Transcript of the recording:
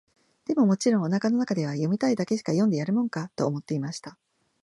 でも、もちろん、お腹の中では、読みたいだけしか読んでやるもんか、と思っていました。